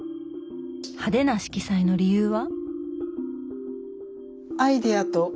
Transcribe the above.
派手な色彩の理由は。